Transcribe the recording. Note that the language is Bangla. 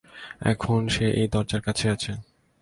এখন সে এই দরজার কাছেই আছে।